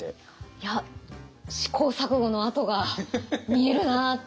いや試行錯誤の跡が見えるなって。